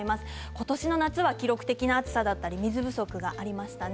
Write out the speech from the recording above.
今年の夏は記録的な暑さだったり水不足がありましたね。